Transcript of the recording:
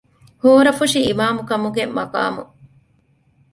ހޯރަފުށި އިމާމުކަމުގެ މަޤާމު